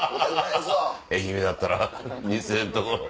愛媛だったら２０００円のところ。